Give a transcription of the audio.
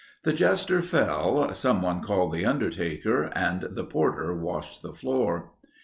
The jester fell, someone called the undertaker and the porter washed the floor.